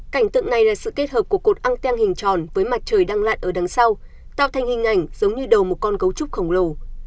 cảnh tượng này là sự kết hợp của cột anten hình tròn với mặt trời đăng lạn ở đằng sau tạo thành hình ảnh giống như đầu một con gấu trúc khổng lồ